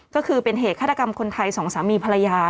ก็คือเป็นเหตุฆาตกรรมคนไทยสองสามีภรรยา